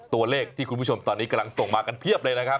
ตัวเลขที่คุณผู้ชมตอนนี้กำลังส่งมากันเพียบเลยนะครับ